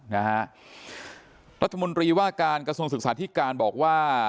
นะฮะรัฐมนตรีว่าการกระทรวงศึกษาธิการบอกว่า